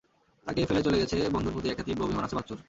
তাঁকে ফেলে চলে গেছে বলে বন্ধুর প্রতি একটা তীব্র অভিমান আছে বাচ্চুর।